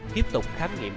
tiếp tục khám nghiệm